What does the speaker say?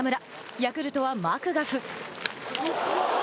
ヤクルトはマクガフ。